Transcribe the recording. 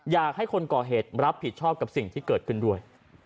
อยากให้คนก่อเหตุรับผิดชอบกับสิ่งที่เกิดขึ้นด้วย